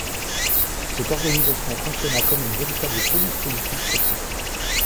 Cette organisation fonctionna comme une véritable police politique secrète.